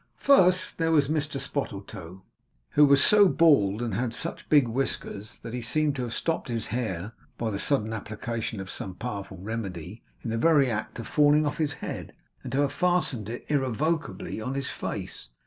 First, there was Mr Spottletoe, who was so bald and had such big whiskers, that he seemed to have stopped his hair, by the sudden application of some powerful remedy, in the very act of falling off his head, and to have fastened it irrevocably on his face.